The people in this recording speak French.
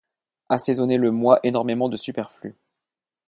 Assaisonnez-le-moi énormément de superflu.